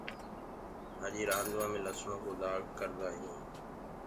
ڀآڃي رآندوآ مي لسڻو ڪو دآگ ڪردآ هينٚ۔